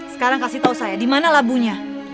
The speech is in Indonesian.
sekarang kasih tau saya dimana labunya